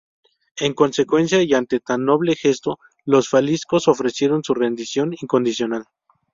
En consecuencia y ante tan noble gesto los faliscos ofrecieron su rendición incondicional.